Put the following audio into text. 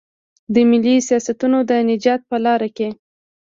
د ملي سیاستونو د نجات په لار کې.